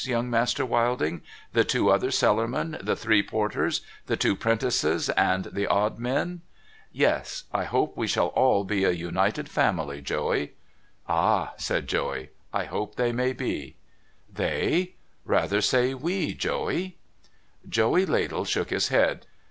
Young Master Wilding ? The two other cellarmen, the three porters, the two 'prentices, and the odd men ?'' Yes. I hope we shall all be a united family, Joey.' ' Ah !' said Joey. ' I hope they may be.' ' They ? Rather say we, Joey.' Joey Ladle shook his head.